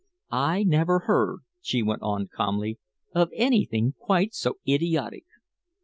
"I never heard," she went on calmly, "of anything quite so idiotic.